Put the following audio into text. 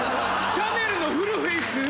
シャネルのフルフェイス？